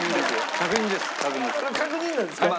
それ確認なんですか？